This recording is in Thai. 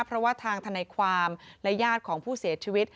เพราะว่าทางทนายความและญาติของผู้เสียชีวิต